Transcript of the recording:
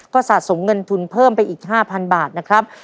ก็สะสมเงินทุนเพิ่มไปอีก๕๐๐บาทนะครับ